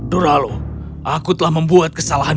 duralo aku telah membuat kesalahan